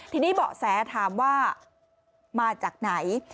ทีนี้เบาะแสถามว่ามาจากไหน